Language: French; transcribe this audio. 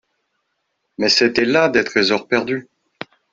Mais c'etaient là des tresors perdus.